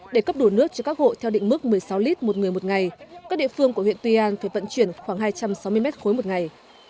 để cấp đủ nước cho các hộ theo định mức một mươi sáu lít một người một ngày các địa phương của huyện tuy an phải vận chuyển khoảng hai trăm sáu mươi mét khối một ngày